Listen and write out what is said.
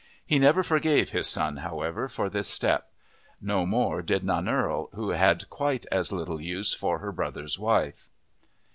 He never forgave his son, however, for this step. No more did Nannerl, who had quite as little use for her brother's wife.